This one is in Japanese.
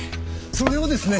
それをですね